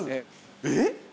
えっ！？